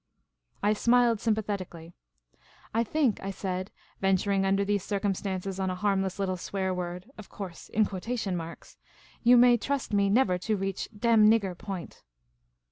" I smiled sympathetically. " I think," I said, venturing under these circumstances on a harndess little .swear word — of course, in quotation marks —" you may trust me never to reach ' damn nigger' point."